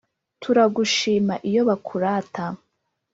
Turagushima iyo bakurata